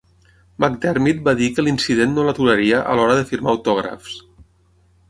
McDermid va dir que l'incident no l'aturaria a l'hora de firmar autògrafs.